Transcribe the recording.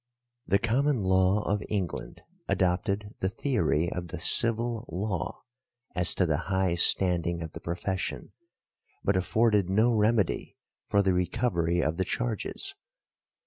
The Common Law of England adopted the theory of the Civil Law as to the high standing of the profession, but afforded no remedy for the recovery of the charges.